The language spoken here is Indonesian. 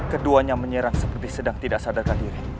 keduanya menyerang seperti sedang tidak sadarkan diri